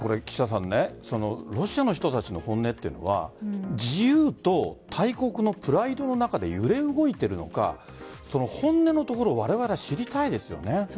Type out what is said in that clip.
ロシアの人たちの本音というのは自由と大国のプライドの中で揺れ動いているのか本音のところをわれわれは知りたいですよね。